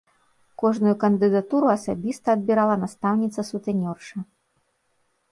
Кожную кандыдатуру асабіста адбірала настаўніца-сутэнёрша.